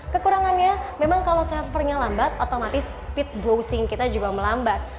kekurangannya memang kalau servernya lambat otomatis fit browsing kita juga melambat